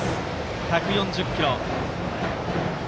１４０キロ。